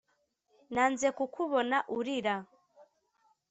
nanze kukubona urira,